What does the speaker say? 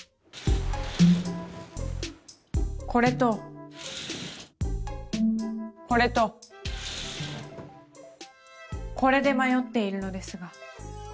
これとこれとこれで迷っているのですが。